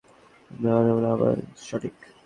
আপনার অনুমান আবারো সঠিক।